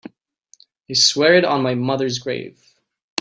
I swear it on my mother's grave.